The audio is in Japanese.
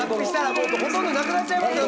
もうほとんどなくなっちゃいますよ